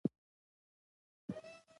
پیغلي نجوني باج کي غواړي